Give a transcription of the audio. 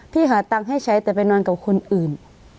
หาตังค์ให้ใช้แต่ไปนอนกับคนอื่น